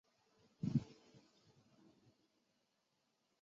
在公会高级成员雷文。